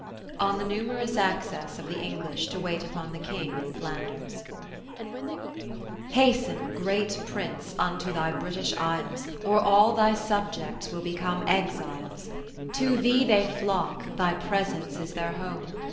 On the numerous Access of the English to wait upon the King in Flanders Hasten, Great Prince, unto thy British Isles, Or all thy subjects will become exiles. To thee they flock, thy Presence is their home.